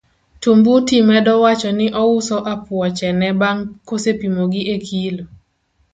Tumbuti medo wacho ni ouso apuoche ne bang' kosepimo gi e kilo.